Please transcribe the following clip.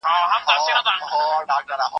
زه اوس کتابونه لوستل کوم.